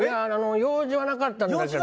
用事はなかったんだけど。